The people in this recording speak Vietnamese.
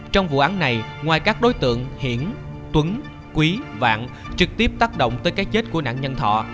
trong vụ án này ngoài các đối tượng hiển tuấn quý vạn trực tiếp tác động tới cái chết của nạn nhân thọ